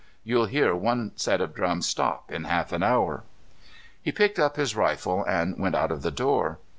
You'll hear one set of drums stop in half an hour." He picked up his rifle and went out of the door.